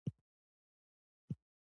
پیلوټ د انسان ذهن آسمان ته رسوي.